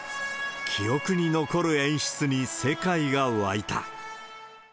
記憶に残る演出に世界が沸いた。